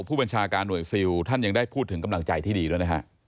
ผู้บัญชาการหน่วยซิลท่านยังได้พูดถึงกำลังใจที่ดีด้วยนะฮะ